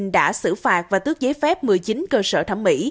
đã xử phạt và tước giấy phép một mươi chín cơ sở thẩm mỹ